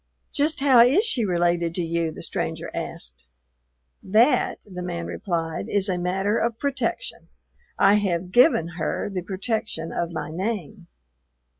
"Just how is she related to you?" the stranger asked. "That," the man replied, "is a matter of protection. I have given her the protection of my name."